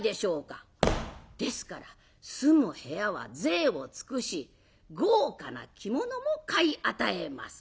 ですから住む部屋は贅を尽くし豪華な着物も買い与えます。